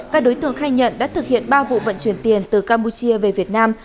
các đối tượng khai nhận đã thực hiện ba vụ vận chuyển tiền từ campuchia về việt nam